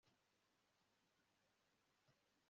ni ngombwa cyane gushyira imbere